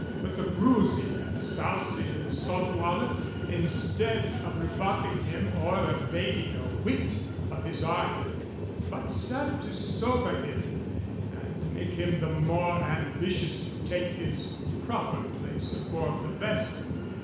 But the bruising and sousing in the saltwater, instead of rebuffing him or abating a whit of his ardor, but served to sober him and make him the more ambitious to take his proper place aboard the vessel.